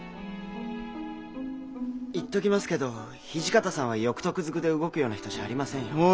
言っときますけど土方さんは欲得ずくで動くような人じゃありませんよ。